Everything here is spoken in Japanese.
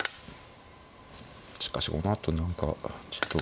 しかしこのあと何かちょっと。